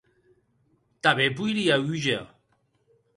Tanben poirie húger.